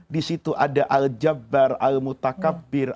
disitu ada al jabar al mutakabir